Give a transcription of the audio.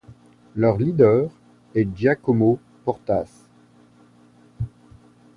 Leur leader est Giacomo Portas.